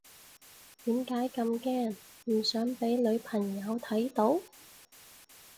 點解咁驚唔想俾女朋友睇到？